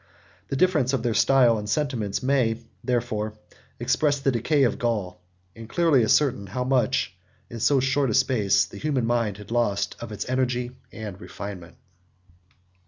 The difference of their style and sentiments may, therefore, express the decay of Gaul; and clearly ascertain how much, in so short a space, the human mind had lost of its energy and refinement.